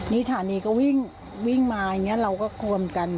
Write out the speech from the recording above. นี่ฐานีก็วิ่งมาอย่างนี้เราก็ควรกัน